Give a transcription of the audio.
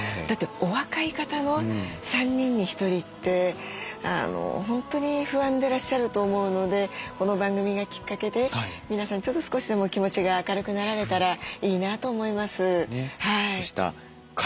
だってお若い方の３人に１人って本当に不安でらっしゃると思うのでこの番組がきっかけで皆さんちょっと少しでも気持ちが明るくなられたらいいなと思います。